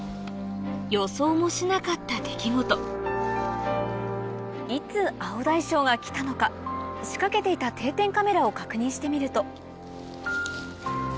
予想もしなかった出来事いつアオダイショウが来たのか仕掛けていた・映ってますか？